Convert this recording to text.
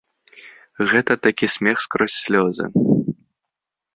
Гэта такі смех скрозь слёзы.